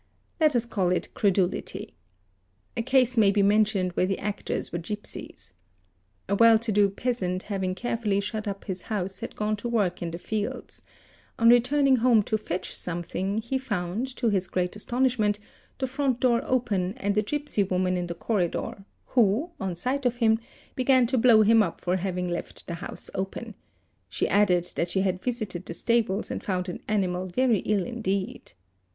let us call it credulity. A case may be mentioned where the actors were gipsies. A well to do peasant having carefully shut up his house had gone to work in the fields; on returning home to fetch something, he found, to his great astonishment, the front door open and a gipsy woman in the corridor who, on sight of him, began to blow him up for having left the house open; she added that she had visited the stables and found 3 an animal very ill indeed.